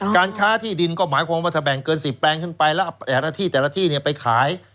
การข้าที่ดินก็หมายความว่าเกิน๑๐แปลงขึ้นไปและแต่ละที่ไปขาย